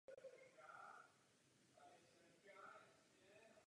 Muži pokračují dál.